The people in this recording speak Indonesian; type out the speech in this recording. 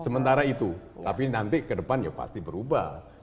sementara itu tapi nanti ke depannya pasti berubah